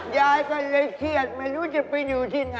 ยายก็เลยเครียดไม่รู้จะไปอยู่ที่ไหน